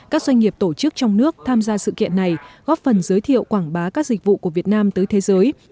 các doanh nghiệp tổ chức trong nước tham gia sự kiện này góp phần giới thiệu quảng bá các dịch vụ của việt nam tới thế giới